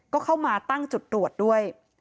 ก็เข้ามาตั้งจุดตรวจด้วย